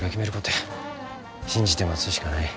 信じて待つしかない。